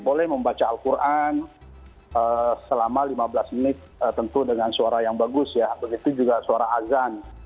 boleh membaca al quran selama lima belas menit tentu dengan suara yang bagus ya begitu juga suara azan